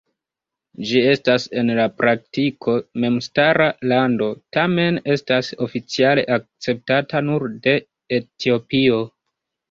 Ĝi estas en la praktiko memstara lando, tamen estas oficiale akceptata nur de Etiopio.